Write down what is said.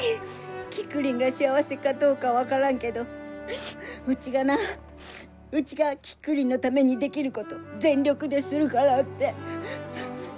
キクリンが幸せかどうか分からんけどうちがなうちがキクリンのためにできること全力でするからって！